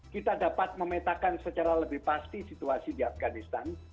kita dapat memetakan secara lebih pasti situasi di afganistan